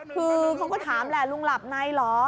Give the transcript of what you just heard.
คือเขาก็ถามแหละลุงหลับในเหรอ